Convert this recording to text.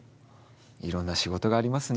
いろんな仕事がありますね